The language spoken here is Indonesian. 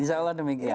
insya allah demikian